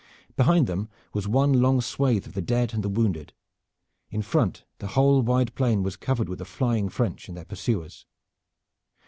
Behind them was one long swath of the dead and the wounded. In front the whole wide plain was covered with the flying French and their pursuers.